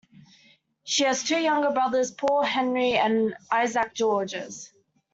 She has two younger brothers, Paul Henri and Isaac Georges.